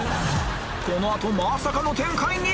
この後まさかの展開に！